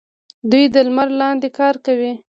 دوی د لمر لاندې کار کوي.